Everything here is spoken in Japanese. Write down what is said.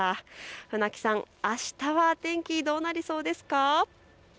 船木さん、あしたは天気どうなりそうですか。